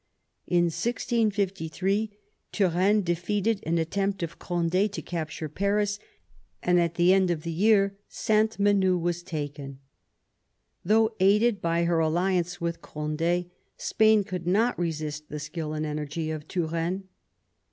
In 1653 Turenne defeated an attempt of Cond^ to capture Paris, and at the end of the year Sainte M^nehould was taken. Though aided by her alliance with Cond^, Spain could not resist the skill and energy of Turenne.